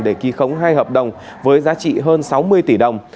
để ký khống hai hợp đồng với giá trị hơn sáu mươi tỷ đồng